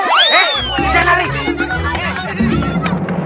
jangan main jangan bergulau